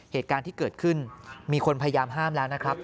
เหตุการณ์ที่เกิดขึ้นมีคนพยายามห้ามแล้วนะครับ